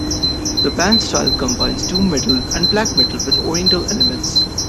The band's style combines doom metal and black metal with Oriental elements.